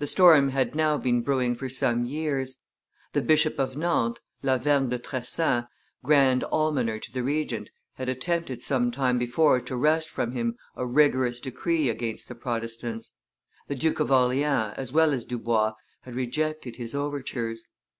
The storm had now been brewing for some years; the Bishop of Nantes, Lavergne de Tressan, grand almoner to the Regent, had attempted some time before to wrest from him a rigorous decree against the Protestants; the Duke of Orleans, as well as Dubois, had rejected his overtures.